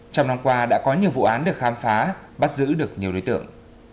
trong năm qua đã có nhiều vụ án được khám phá bắt giữ được nhiều đối tượng